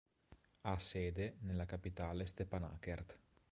Ha sede nella capitale Stepanakert.